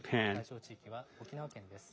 対象地域は沖縄県です。